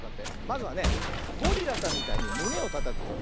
まずはねゴリラさんみたいにむねをたたくよ。